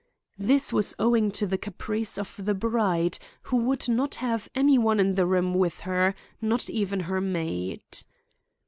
This was owing to the caprice of the bride, who would not have any one in the room with her, not even her maid.